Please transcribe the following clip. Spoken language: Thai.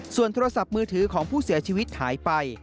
ส่วนโทรศัพท์มือถือของผู้เสียชีวิตหายไป